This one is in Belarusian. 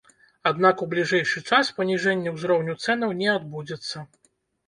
Аднак у бліжэйшы час паніжэнне ўзроўню цэнаў не адбудзецца.